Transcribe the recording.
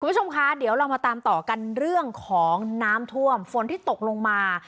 คุณผู้ชมคะเดี๋ยวเรามาตามต่อกันเรื่องของน้ำท่วมฝนที่ตกลงมา